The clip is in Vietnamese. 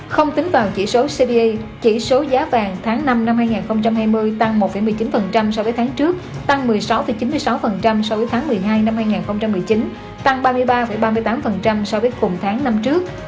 không tính vào chỉ số cba chỉ số giá vàng tháng năm năm hai nghìn hai mươi tăng một một mươi chín so với tháng trước tăng một mươi sáu chín mươi sáu so với tháng một mươi hai năm hai nghìn một mươi chín tăng ba mươi ba ba mươi tám so với cùng tháng năm trước